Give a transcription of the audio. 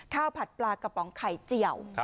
ผัดปลากระป๋องไข่เจียว